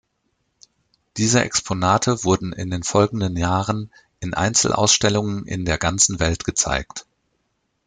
Diese Exponate wurden in den folgenden Jahren in Einzelausstellungen in der ganzen Welt gezeigt.